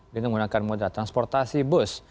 dan menggunakan moda transportasi bus